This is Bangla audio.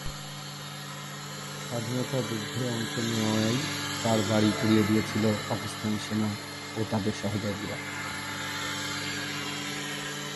স্বাধীনতা যুদ্ধে অংশ নেওয়ায় তার বাড়ি পুড়িয়ে দিয়েছিল পাকিস্তানী সেনা ও তাদের সহযোগীরা।